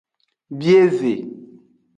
Bieve.